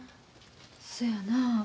そやな。